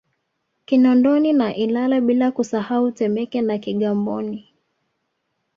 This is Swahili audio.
Kinondoni na Ilala bila kusahau Temeke na Kigamboni